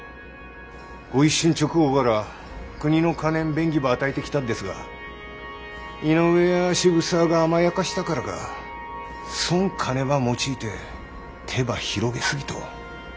御一新直後から国の金ん便宜ば与えてきたっですが井上や渋沢が甘やかしたからかそん金ば用いて手ば広げ過ぎとう。